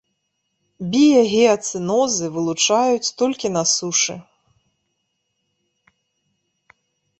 Біягеацэнозы вылучаюць толькі на сушы.